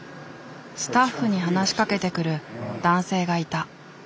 スタッフに話しかけてくる男性がいた。